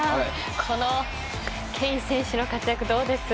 このケイン選手の活躍どうです？